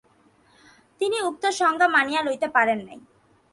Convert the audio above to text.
তিনি উক্ত সংজ্ঞা মানিয়া লইতে পারেন নাই।